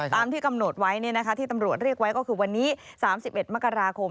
ตามที่กำหนดไว้ที่ตำรวจเรียกไว้ก็คือวันนี้๓๑มกราคม